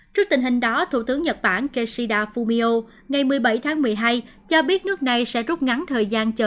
trước tình hình đó thủ tướng nhật bản kishida fumio ngày một mươi bảy tháng một mươi hai cho biết nước này sẽ rút ngắn thời gian chờ